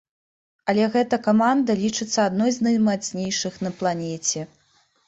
Але гэта каманда лічыцца адной з наймацнейшых на планеце.